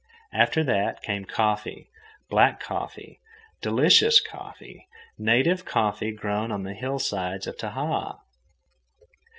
And after that came coffee, black coffee, delicious coffee, native coffee grown on the hillsides of Tahaa.